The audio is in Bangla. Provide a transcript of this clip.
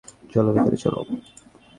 চলো ভেতরে চলো।